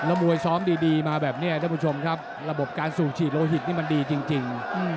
แล้วมวยซ้อมดีมาแบบนี้ท่านผู้ชมครับระบบการสูบฉีดโลหิตนี่มันดีจริง